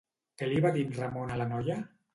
Què li va dir en Ramon a la noia?